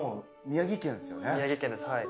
宮城県ですはい。